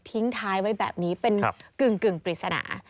ทิ้งท้ายไว้แบบนี้เป็นกึ่งปริศนา